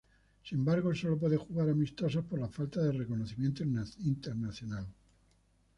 Sin embargo, solo puede jugar amistosos por la falta de reconocimiento internacional.